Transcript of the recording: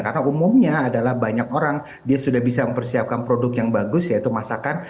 karena umumnya adalah banyak orang dia sudah bisa mempersiapkan produk yang bagus yaitu masakan